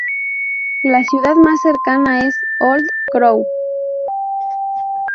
La ciudad más cercana es Old Crow.